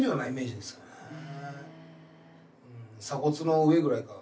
鎖骨の上ぐらいから。